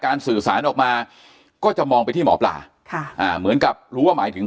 สื่อสารออกมาก็จะมองไปที่หมอปลาค่ะอ่าเหมือนกับรู้ว่าหมายถึง